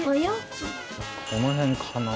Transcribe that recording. この辺かな？